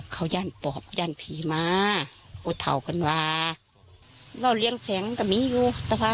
เข้าย่านปอบย่านผีมาปลอดเท้ากันว่าเราแรงแสงมีอยู่แต่ว่า